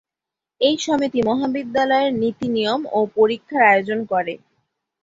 এই সমিতি মহাবিদ্যালয়ের নীতি নিয়ম ও পরীক্ষার আয়োজন করে।